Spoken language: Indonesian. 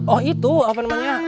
oh itu apa namanya